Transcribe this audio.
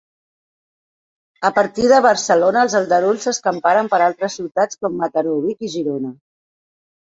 A partir de Barcelona els aldarulls s'escamparen per altres ciutats com Mataró, Vic i Girona.